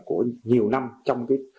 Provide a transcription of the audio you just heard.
của nhiều năm trong